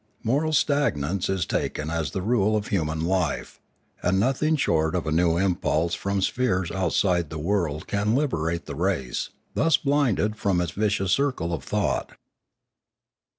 Moral stagnauce .is taken as the rule of human life, and nothing short of a new impulse fr6m spheres outside the world can lib erate the race, thus blinded, from its vicious circle of thought.